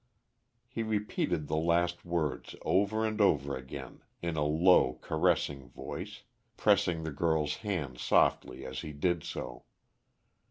He repeated the last words over and over again in a low, caressing voice, pressing the girl's hand softly as he did so.